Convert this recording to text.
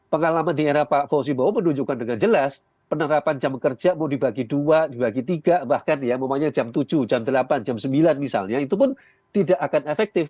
pengalaman di era pak fosibowo menunjukkan dengan jelas penerapan jam kerja mau dibagi dua dibagi tiga bahkan ya maunya jam tujuh jam delapan jam sembilan misalnya itu pun tidak akan efektif